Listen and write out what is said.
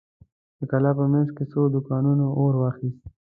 د کلا په مينځ کې څو دوکانونو اور واخيست.